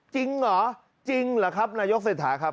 จริงเหรอจริงเหรอครับนายกเศรษฐาครับ